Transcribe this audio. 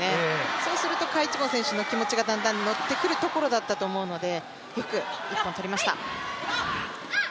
そうすると、賈一凡選手の気持ちがだんだん乗ってくるところだったと思うので、よく１本取りました。